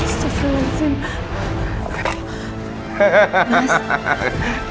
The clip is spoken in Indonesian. kasih jualan sini